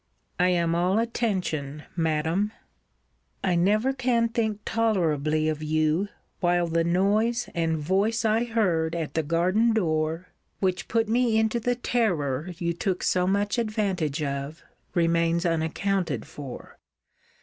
I am all attention, Madam. I never can think tolerably of you, while the noise and voice I heard at the garden door, which put me into the terror you took so much advantage of, remains unaccounted for.